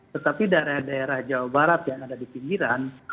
tetapi daerah daerah jawa barat yang ada di pinggiran